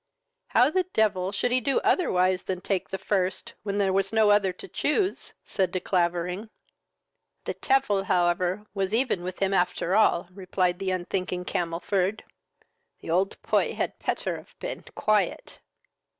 "How the devil should he do otherwise than take the first, when there was no other to choose!" said De Clavering. "The tevil however was even with him after all, (replied the unthinking Camelford;) the old poy had petter have peen quiet."